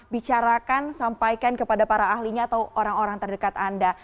bicarakan sampaikan kepada para ahlinya atau orang orang terdekat anda